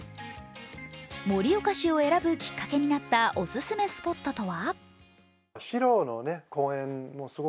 盛岡市を選ぶきっかけになったおすすめスポットとは？